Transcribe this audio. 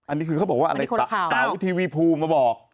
อันนี้คือเขาบอกว่าอะไรเต๋าทีวีภูมาบอก